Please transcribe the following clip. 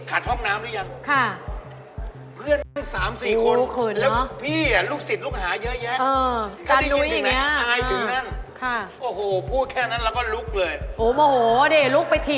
อันนี้ถูกกว่าครับกระซติ